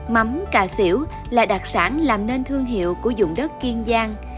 mắm cà xỉu là đặc sản làm nên thương hiệu của dùng đất kiên giang